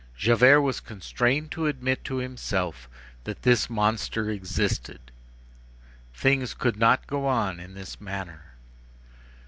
Javert was constrained to admit to himself that this monster existed. Things could not go on in this manner.